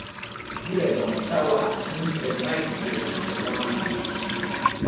Gure gom tawa himɓe majje e wambi.